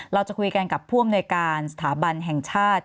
เราจะคุยกันกับพ่วงโดยการสถาบันแห่งชาติ